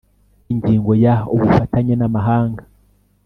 ingingo ya ubufatanye n amahanga